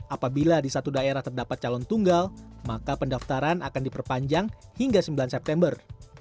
apabila di satu daerah terdapat calon tunggal maka pendaftaran akan diperpanjang hingga sembilan september